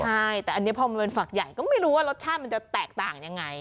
ใช่แต่อันนี้พอมันเป็นฝักใหญ่ก็ไม่รู้ว่ารสชาติมันจะแตกต่างยังไง